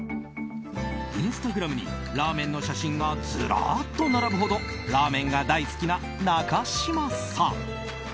インスタグラムにラーメンの写真がずらーっと並ぶほどラーメンが大好きな中嶋さん。